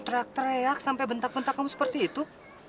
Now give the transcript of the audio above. teriak teriak sampai bentak bentak kamu seperti itu